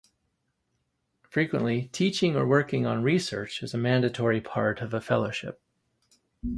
Frequently, teaching or working on research is a mandatory part of a fellowship.